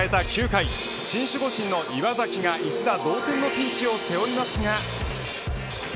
９回新守護神の岩崎が一打同点のピンチを背負いますが。